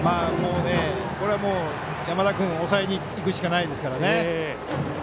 これは山田君抑えにいくしかないですからね。